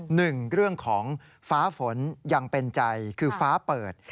หนึ่งเรื่องของฟ้าฝนยังเป็นใจคือฟ้าเปิด